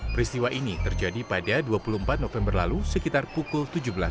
peristiwa ini terjadi pada dua puluh empat november lalu sekitar pukul tujuh belas tiga puluh